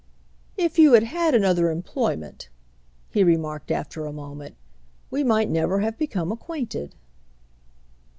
"If you had had another employment," he remarked after a moment, "we might never have become acquainted."